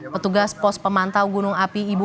petugas pos pemantau gunung api ibu